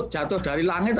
jatuh dari langit